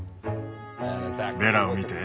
ベラを見て。